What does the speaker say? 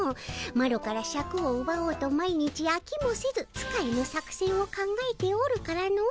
マロからシャクをうばおうと毎日あきもせず使えぬ作せんを考えておるからの。